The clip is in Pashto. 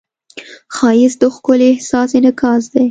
ښایست د ښکلي احساس انعکاس دی